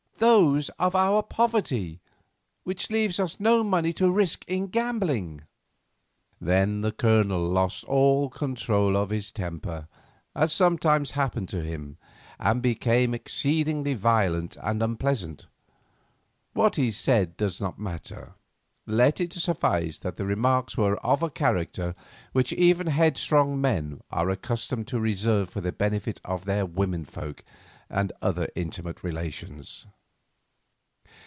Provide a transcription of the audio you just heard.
"Those of our poverty, which leaves us no money to risk in gambling." Then the Colonel lost all control of his temper, as sometimes happened to him, and became exceedingly violent and unpleasant. What he said does not matter; let it suffice that the remarks were of a character which even headstrong men are accustomed to reserve for the benefit of their women folk and other intimate relations.